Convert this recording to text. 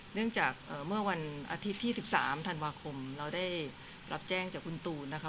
เนื่องจากเมื่อวันอาทิตย์ที่๑๓ธันวาคมเราได้รับแจ้งจากคุณตูนนะคะ